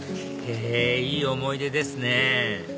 へぇいい思い出ですね